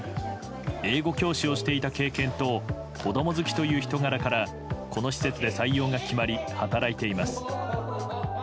英語教師をしていた経験と子供好きという人柄からこの施設で採用が決まり働いています。